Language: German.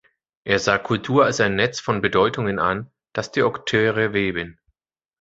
Er sah Kultur als ein Netz von Bedeutungen an, das die Akteure weben.